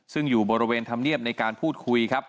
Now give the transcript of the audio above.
ซึ่งอยู่บริเวณธรรมเนียบในการพูดคุยครับ